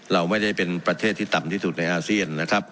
เราไม่ได้เป็นประเทศที่ต่ำที่สุดในอาเซียนนะครับ